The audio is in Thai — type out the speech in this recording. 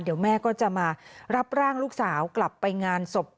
เดี๋ยวแม่ก็จะมารับร่างลูกสาวกลับไปงานศพ